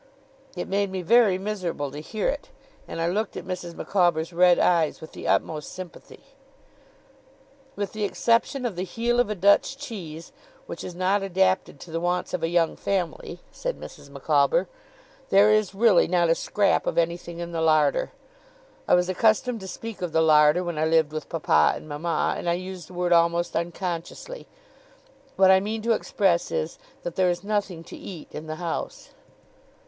It made me very miserable to hear it, and I looked at Mrs. Micawber's red eyes with the utmost sympathy. 'With the exception of the heel of a Dutch cheese which is not adapted to the wants of a young family' said Mrs. Micawber, 'there is really not a scrap of anything in the larder. I was accustomed to speak of the larder when I lived with papa and mama, and I use the word almost unconsciously. What I mean to express is, that there is nothing to eat in the house.